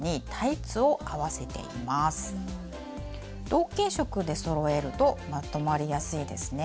同系色でそろえるとまとまりやすいですね。